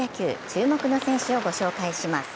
注目の選手をご紹介します。